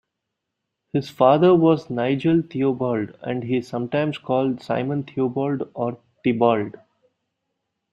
His father was Nigel Theobald, and he is sometimes called Simon Theobald or Tybald.